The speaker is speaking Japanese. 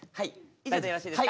以上でよろしいですか？